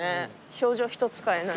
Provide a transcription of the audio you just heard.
表情一つ変えない。